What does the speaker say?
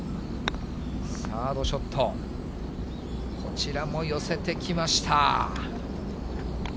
サードショット、こちらも寄せてきました。